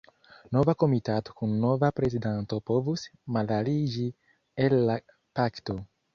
Nova komitato kun nova prezidanto povus malaliĝi el la Pakto.